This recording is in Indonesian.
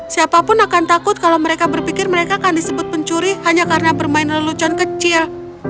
siapapun akan takut kalau mereka berpikir mereka akan disebut pencuri hanya karena permainan lelucon kecil